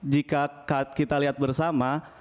jika kita lihat bersama